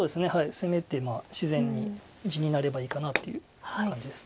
攻めて自然に地になればいいかなという感じです。